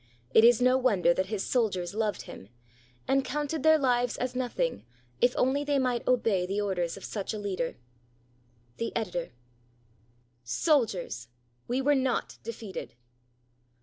It is no wonder that his soldiers loved him, and counted their hves as nothing if only they might obey the orders of such a leader. The Editor.] Soldiers ! we were not defeated